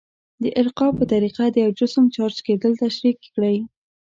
د القاء په طریقه د یو جسم چارج کیدل تشریح کړئ.